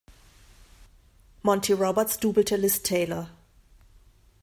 Monty Roberts doubelte Liz Taylor.